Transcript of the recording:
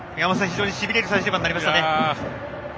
非常にしびれる最終盤になりましたね。